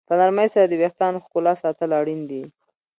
په نرمۍ سره د ویښتانو ښکلا ساتل اړین دي.